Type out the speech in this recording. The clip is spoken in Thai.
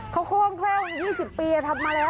เขาคล่องแคล่ว๒๐ปีทำมาแล้ว